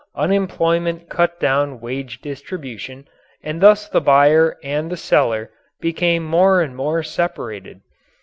Unemployment cut down wage distribution and thus the buyer and the seller became more and more separated.